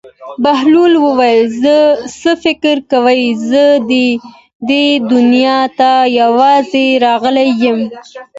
بهلول وویل: څه فکر کوې زه دې دنیا ته یوازې راغلی یم.